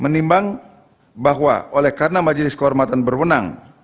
menimbang bahwa oleh karena majelis kehormatan berwenang